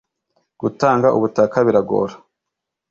Gutanga ubutaka biragora.